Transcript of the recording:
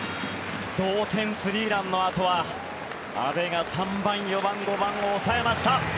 同点スリーランのあとは阿部が３番、４番、５番を抑えました。